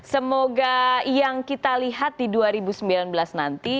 semoga yang kita lihat di dua ribu sembilan belas nanti